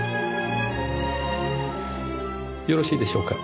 よろしいでしょうか？